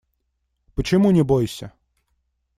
Почему не бойся?